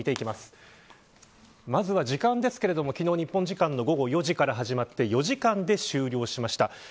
まずは時間ですが、昨日の日本時間午後４時から始まって４時間で終了しました。